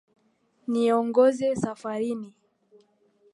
Niongoze safarini.